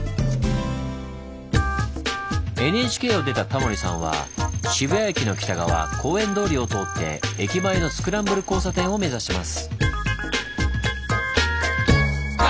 ＮＨＫを出たタモリさんは渋谷駅の北側公園通りを通って駅前のスクランブル交差点を目指します。